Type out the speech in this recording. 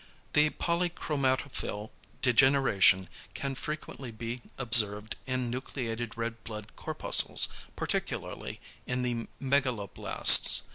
The polychromatophil degeneration can frequently be observed in nucleated red blood corpuscles, particularly in the megaloblasts.